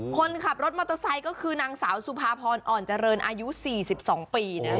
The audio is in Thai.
คนขับรถมอเตอร์ไซค์ก็คือนางสาวสุภาพรอ่อนเจริญอายุ๔๒ปีนะ